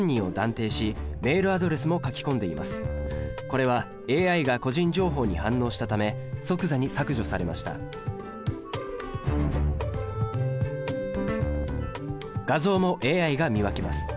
これはＡＩが個人情報に反応したため即座に削除されました画像もＡＩが見分けます。